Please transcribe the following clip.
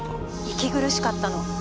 息苦しかったの。